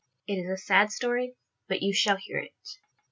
It is a sad story, but you shall hear it.